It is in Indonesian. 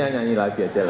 apanya pak teten